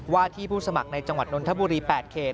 ที่ผู้สมัครในจังหวัดนนทบุรี๘เขต